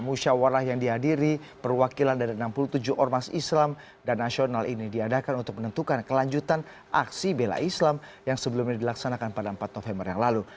musyawarah yang dihadiri perwakilan dari enam puluh tujuh ormas islam dan nasional ini diadakan untuk menentukan kelanjutan aksi bela islam yang sebelumnya dilaksanakan pada empat november yang lalu